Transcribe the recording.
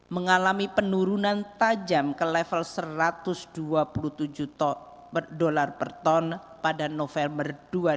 mengalami penurunan tajam ke level satu ratus dua puluh tujuh per ton pada november dua ribu dua puluh